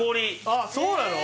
あそうなの？